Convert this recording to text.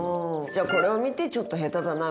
じゃあこれを見て「ちょっと下手だな。